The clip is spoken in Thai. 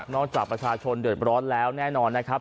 จากประชาชนเดือดร้อนแล้วแน่นอนนะครับ